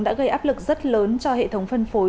đã gây áp lực rất lớn cho hệ thống phân phối